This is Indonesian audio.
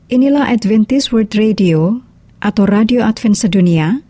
inilah adventist world radio atau radio advent sedunia